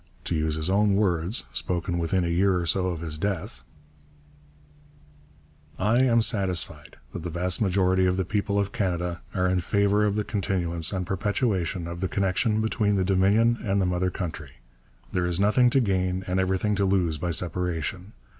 To use his own words, spoken within a year or so of his death: I am satisfied that the vast majority of the people of Canada are in favour of the continuance and perpetuation of the connection between the Dominion and the mother country. There is nothing to gain and everything to lose by separation.